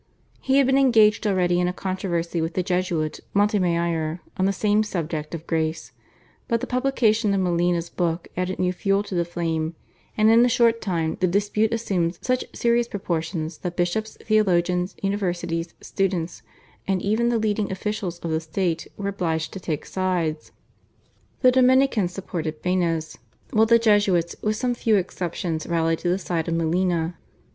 He had been engaged already in a controversy with the Jesuit, Montemaior, on the same subject of Grace, but the publication of Molina's book added new fuel to the flame, and in a short time the dispute assumed such serious proportions that bishops, theologians, universities, students, and even the leading officials of the state, were obliged to take sides. The Dominicans supported Banez, while the Jesuits with some few exceptions rallied to the side of Molina.